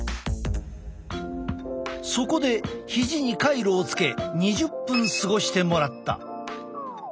そこでひじにカイロをつけ２０分過ごしてもらった。